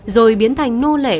rồi biến thành nô lệ